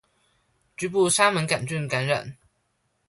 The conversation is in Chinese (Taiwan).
局部沙門桿菌感染